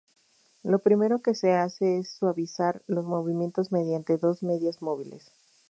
Lo primero que se hace es suavizar los movimientos mediante dos medias móviles.